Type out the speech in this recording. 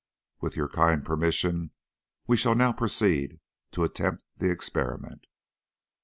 With your kind permission, we shall now proceed to attempt the experiment."